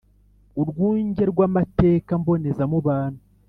urwunge rw amategeko mbonezamubano